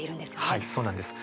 はい、そうなんです。